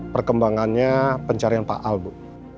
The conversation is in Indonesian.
perkembangannya pencarian pak al bu